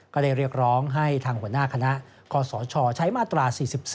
ก็ได้เรียกร้องให้ทางหัวหน้าคณะคศใช้มาตรา๔๔